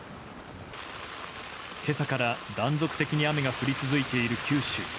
今朝から断続的に雨が降り続いている九州。